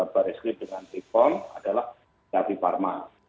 bereskrip dengan bipom adalah pt api parwa